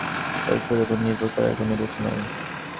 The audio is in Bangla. হেই, পরষ্পরের ওপর নির্ভর করায় কোনো দোষ নেই।